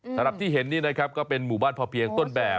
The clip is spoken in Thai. สำหรับที่เห็นนี่นะครับก็เป็นหมู่บ้านพอเพียงต้นแบบ